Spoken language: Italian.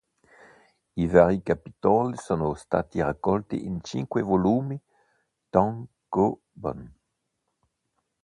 I vari capitoli sono stati raccolti in cinque volumi "tankōbon".